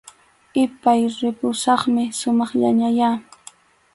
Ipay, ripusaqmi sumaqllañayá